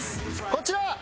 こちら。